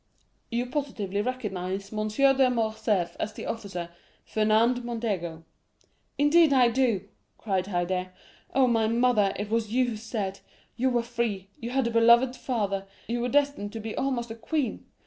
'You positively recognize M. de Morcerf as the officer, Fernand Mondego?'—'Indeed I do!' cried Haydée. 'Oh, my mother, it was you who said, "You were free, you had a beloved father, you were destined to be almost a queen.